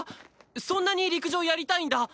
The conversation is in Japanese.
そんなに陸上やりたいんだ？